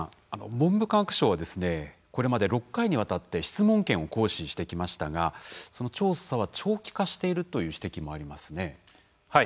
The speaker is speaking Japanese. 文部科学省はこれまで６回にわたって質問権を行使してきましたがその調査は長期化しているという指摘もありますね。